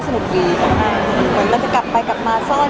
เซลล์ด้วยไปกับบทหลบเซ็น